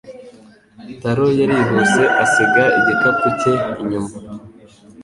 Taro yarihuse asiga igikapu cye inyuma.